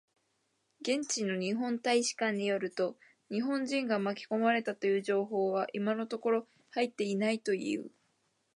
現地の日本大使館によると、日本人が巻き込まれたという情報は今のところ入っていないという。